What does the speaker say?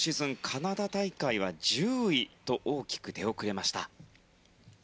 カナダ大会は１０位と大きく出遅れました。